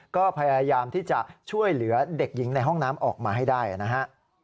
ก็พยายามที่จะช่วยเหลือเด็กหญิงในห้องน้ำออกมาให้ได้นะฮะ